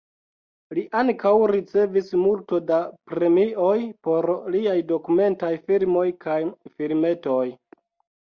Li ankaŭ ricevis multo da premioj por liaj dokumentaj filmoj kaj filmetoj.